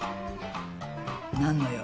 何の用？